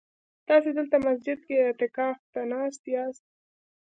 تاسي دلته مسجد کي اعتکاف ته ناست ياست؟